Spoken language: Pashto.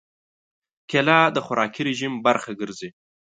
کېله د خوراکي رژیم برخه ګرځي.